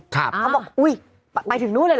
เขาบอกอุ๊ยไปถึงนู่นเลย